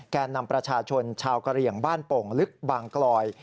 แก่นำประชาชนชาวกะเหลี่ยงบ้านโป่งลึกบางกลอย